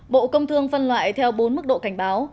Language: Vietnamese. bộ công thương phân loại theo bốn mức độ cảnh báo